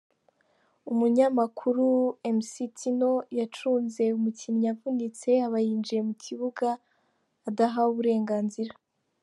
Umunyamakuru Mc Tino yacunze umukinnyi avunitse aba yinjiye mu kibuga adahawe uburenganzira.